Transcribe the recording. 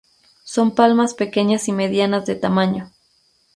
Son palmas pequeñas y medianas de tamaño.